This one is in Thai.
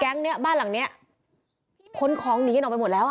แก๊งเนี้ยบ้านหลังเนี้ยพลของหนีออกไปหมดแล้วอะ